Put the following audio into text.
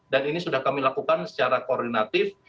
dan ini sudah kami lakukan secara koordinatif